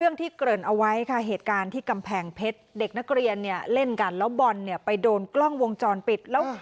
เรื่องที่เกริ่นเอาไว้ค่ะเหตุการณ์ที่กำแพงเพชรเด็กนักเรียนเนี่ยเล่นกันแล้วบอลเนี่ยไปโดนกล้องวงจรปิดแล้ว